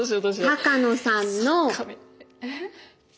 鷹野さんの。えっ？